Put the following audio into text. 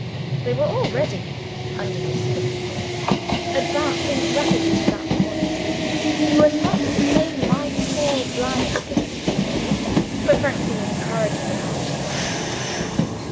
They were already (under Lucilla's influence) advancing rapidly to that point. You are not to blame my poor blind girl, if you please, for frankly encouraging the man she loved.